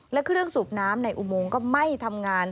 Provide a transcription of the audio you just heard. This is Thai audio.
และเครื่องสูบน้ำในอุโมงก็ไม่ทำงาน